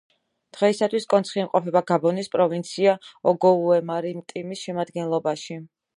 დღეისათვის კონცხი იმყოფება გაბონის პროვინცია ოგოუე-მარიტიმის შემადგენლობაში.